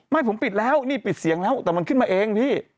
ไม่ผมปิดแล้วนี่ปิดเสียงแล้วแต่มันขึ้นมาเองพี่